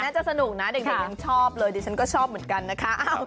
จะสนุกนะเด็กยังชอบเลยดิฉันก็ชอบเหมือนกันนะคะ